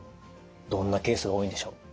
どんなケースが多いんでしょう？